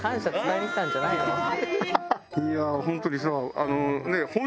いやホントにさ。